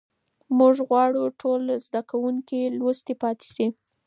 موږ غواړو ټول زده کوونکي لوستي پاتې سي.